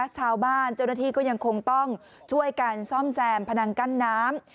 เจ้าหน้าที่ก็ยังคงต้องช่วยกันซ่อมแซมพนังกั้นน้ำ